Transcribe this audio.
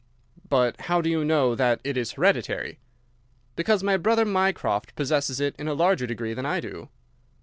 "But how do you know that it is hereditary?" "Because my brother Mycroft possesses it in a larger degree than I do."